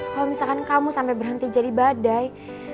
kalau misalkan kamu sampai berhenti jadi badai